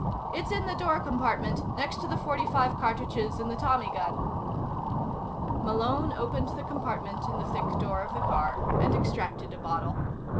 "It's in the door compartment, next to the forty five cartridges and the Tommy gun." Malone opened the compartment in the thick door of the car and extracted a bottle.